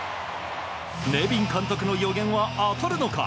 ネビン監督の予言は当たるのか？